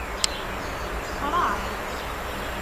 Tefṛeḥ.